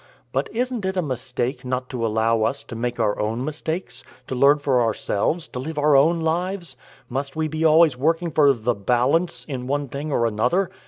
But isn't it a mistake not to allow us to make our own mistakes, to learn for ourselves, to live our own lives? Must we be always working for 'the balance,' in one thing or another?